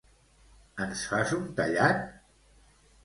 Ens fas un tallat?